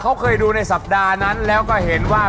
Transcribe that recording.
เขาเคยดูในสัปดาห์นั้นแล้วก็เห็นว่า